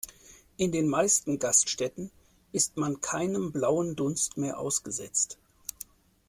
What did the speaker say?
In den meisten Gaststätten ist man keinem blauen Dunst mehr ausgesetzt.